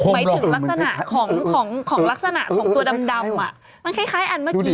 หมายถึงลักษณะของตัวดำมันคล้ายอันเมื่อกี้